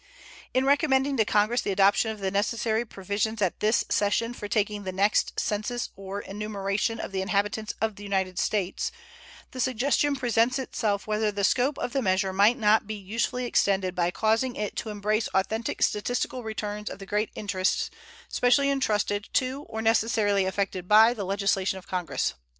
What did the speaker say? In recommending to Congress the adoption of the necessary provisions at this session for taking the next census or enumeration of the inhabitants of the United States, the suggestion presents itself whether the scope of the measure might not be usefully extended by causing it to embrace authentic statistical returns of the great interests specially intrusted to or necessarily affected by the legislation of Congress.